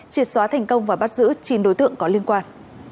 triệt xóa thành công và bắt giữ chín đối tượng có liên quan